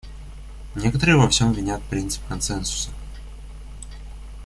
Некоторые во всем винят принцип консенсуса.